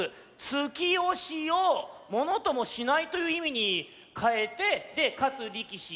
突きおしをものともしないといういみにかえてで「勝つ力士」。